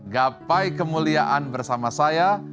gapai kemuliaan bersama saya